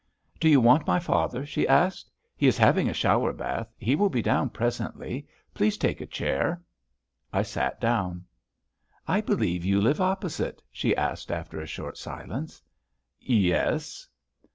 "Do you want my father?" she asked. "He is having a shower bath. He will be down presently. Please take a chair." I sat down. "I believe you live opposite?" she asked after a short silence. "Yes."